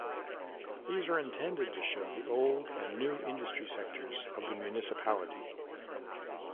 These are intended to show the old and new industry sectors of the municipality.